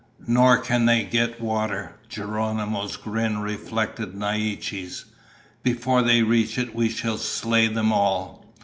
"Nor can they get water," Geronimo's grin reflected Naiche's. "Before they reach it we shall slay them all."